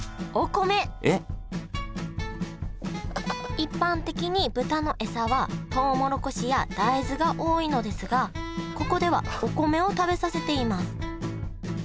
一般的に豚の餌はトウモロコシや大豆が多いのですがここではお米を食べさせています